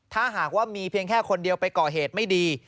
ถ้าหากว่ามีเพียงแค่คนเดียวไปก่อเหตุไม่ดี